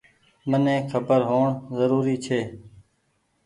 مني کبر هوئڻ زروري ڇي۔